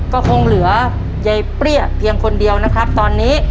ก็คงเหลือยายเปรี้ยเพียงคนเดียวนะครับตอนนี้